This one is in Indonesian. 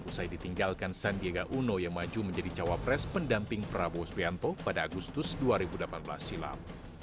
usai ditinggalkan sandiaga uno yang maju menjadi cawapres pendamping prabowo spianto pada agustus dua ribu delapan belas silam